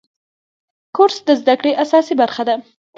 کورس د زده کړې اساسي برخه ده.